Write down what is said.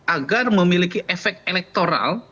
agar memiliki efek elektoral